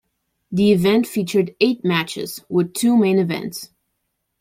The event featured eight matches, with two main events.